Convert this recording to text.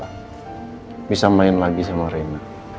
jadi bisa didipin